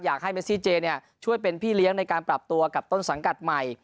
เมซี่เจช่วยเป็นพี่เลี้ยงในการปรับตัวกับต้นสังกัดใหม่